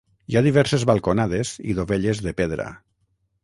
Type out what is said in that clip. Hi ha diverses balconades i dovelles de pedra.